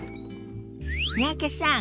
三宅さん